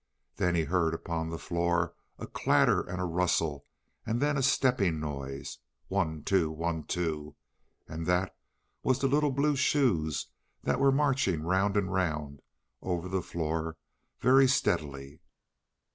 Then he heard upon the floor a clatter and a rustle, and then a stepping noise one, two; one, two and that was the little blue shoes that were marching round and round over the floor very steadily.